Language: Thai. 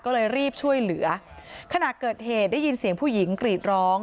ก็เลยรีบช่วยเหลือขณะเกิดเหตุได้ยินเสียงผู้หญิงกรีดร้อง